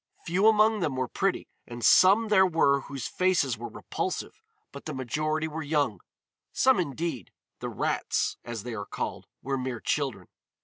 Few among them were pretty, and some there were whose faces were repulsive, but the majority were young; some indeed, the rats, as they are called, were mere children.